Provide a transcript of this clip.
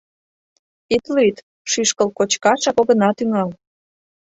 — Ит лӱд, шӱшкыл кочкашак огына тӱҥал.